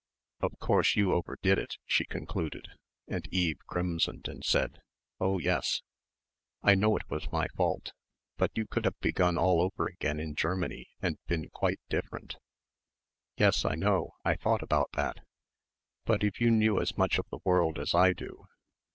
"Of course you overdid it," she concluded, and Eve crimsoned and said, "Oh yes, I know it was my fault. But you could have begun all over again in Germany and been quite different." "Yes, I know I thought about that.... But if you knew as much of the world as I do...."